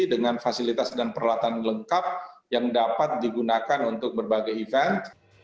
dengan fasilitas dan peralatan lengkap yang dapat digunakan untuk berbagai event